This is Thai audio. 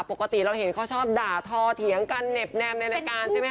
ปกติเราเห็นเขาชอบด่าทอเถียงกันเน็บแนมในรายการใช่ไหมค